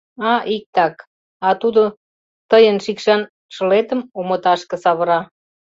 — А, иктак, а тудо тыйын шикшан шылетым омыташке савыра?